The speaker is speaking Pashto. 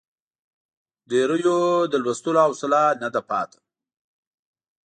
ډېریو د لوستلو حوصله نه ده پاتې.